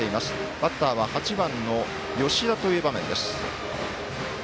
バッターは吉田という場面です。